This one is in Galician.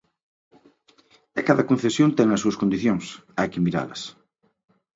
E cada concesión ten as súas condicións, hai que miralas.